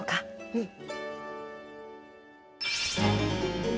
うん。